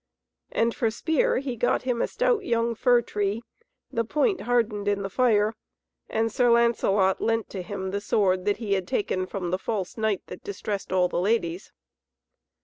And for spear he got him a stout young fir tree, the point hardened in the fire, and Sir Lancelot lent to him the sword that he had taken from the false knight that distressed all ladies.